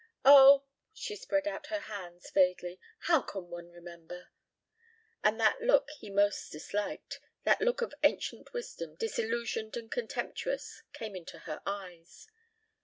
"Oh!" She spread out her hands vaguely. "How can one remember?" And that look he most disliked, that look of ancient wisdom, disillusioned and contemptuous, came into her eyes.